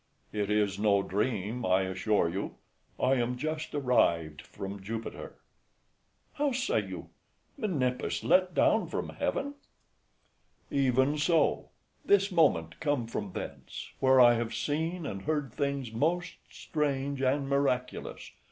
MENIPPUS. It is no dream, I assure you; I am just arrived from Jupiter. FRIEND. How say you? Menippus let down from heaven? MENIPPUS. Even so: this moment come from thence, where I have seen and heard things most strange and miraculous.